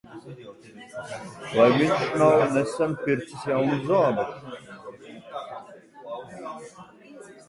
Vai viņš nav nesen pircis jaunus zābakus?